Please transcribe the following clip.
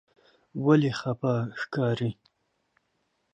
ولې خپه ښکارې؟